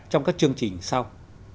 trong các chương trình sau